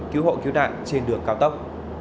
cứu hộ cứu nạn trên đường cao tốc